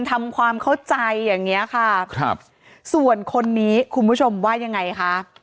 ทำความเข้าใจอย่างเงี้ยค่ะครับส่วนคนนี้คุณผู้ชมว่ายังไงคะ